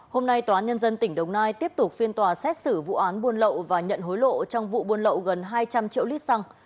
hôm nay tòa án nhân dân tỉnh đồng nai tiếp tục phiên tòa xét xử vụ án buôn lậu và nhận hối lộ trong vụ buôn lậu gần hai trăm linh triệu lít xăng